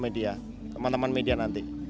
media teman teman media nanti